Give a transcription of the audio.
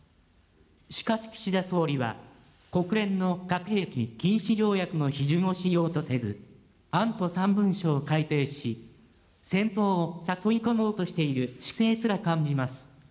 しかし岸田総理は、国連の核兵器禁止条約の批准をしようとせず、安保３文書を改定し、戦争を誘い込もうとしている姿勢すら感じます。